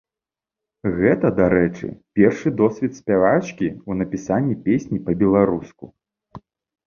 Гэта, дарэчы, першы досвед спявачкі ў напісанні песні па-беларуску.